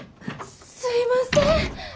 すいません。